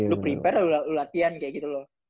lu prepare lah lu latihan kayak gitu loh